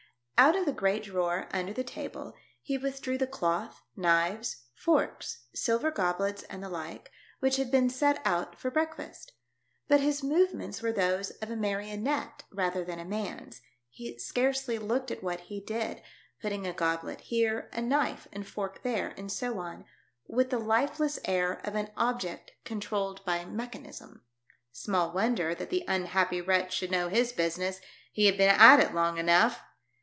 Out of the great drawer, under the table, he withdrew the cloth, knives, forks, silver goblets and the like, which had been set out for break fast ; but his movements were those ofj a marionette rather than a man's, he scarcely looked at what he did, putting a goblet here, a knife and fork there and so on, with the lifeless air of an object controlled by mechanism. Small wonder that the unhappy wretch should know hir business ! He had been at it long enough